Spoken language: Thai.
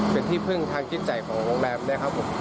เป็นที่พึ่งทางจิตใจของวงแรมนะครับ